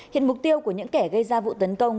hiện mục tiêu của những kẻ gây ra vụ tấn công